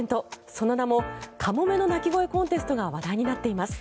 その名もカモメの鳴き声コンテストが話題になっています。